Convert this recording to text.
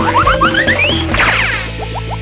namun aku serang